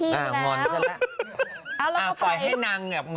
สวัสดีครับ